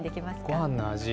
ごはんの味。